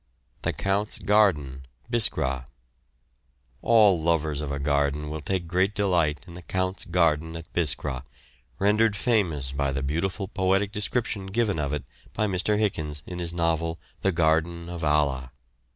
THE COUNT'S GARDEN, BISKRA. All lovers of a garden will take great delight in the Count's garden at Biskra, rendered famous by the beautiful poetic description given of it by Mr. Hichens in his novel the Garden of Allah.